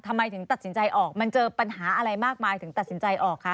ทำไมถึงตัดสินใจออกมันเจอปัญหาอะไรมากมายถึงตัดสินใจออกคะ